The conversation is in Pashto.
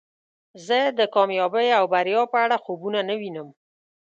زه د کامیابۍ او بریا په اړه خوبونه نه وینم.